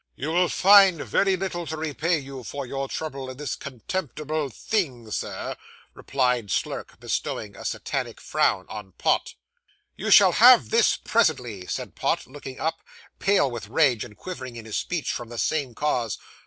'You will find very little to repay you for your trouble in this contemptible thing, sir,' replied Slurk, bestowing a Satanic frown on Pott. 'You shall have this presently,' said Pott, looking up, pale with rage, and quivering in his speech, from the same cause.